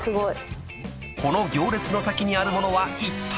［この行列の先にあるものはいったい？］